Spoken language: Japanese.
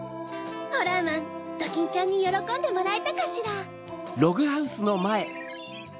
ホラーマンドキンちゃんによろこんでもらえたかしら？